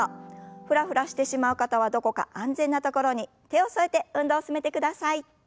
フラフラしてしまう方はどこか安全な所に手を添えて運動を進めてください。